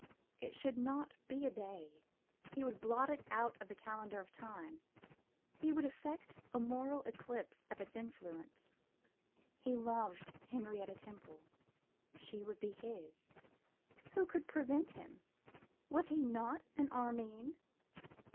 It should not be a day; he would blot it out of the calendar of time; he would effect a moral eclipse of its influence. He loved Henrietta Temple. She should be his. Who could prevent him? Was he not an Armine?